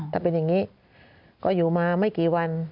ถ้าเป็นอย่างนี้ก็อยู่มาไม่กี่วัน